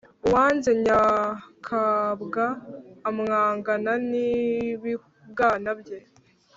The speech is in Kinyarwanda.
Uwanze nyakabwa ,amwangana n’ibibwana bye.